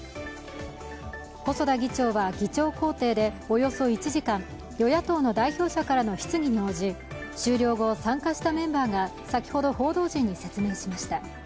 細田議長は議長公邸でおよそ１時間与野党の代表者からの質疑に応じ終了後、参加したメンバーが先ほど、報道陣に説明しました。